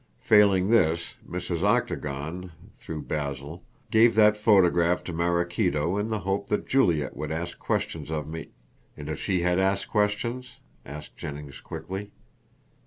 Failing this, Mrs. Octagon, through Basil, gave that photograph to Maraquito in the hope that Juliet would ask questions of me " "And if she had asked questions?" asked Jennings quickly.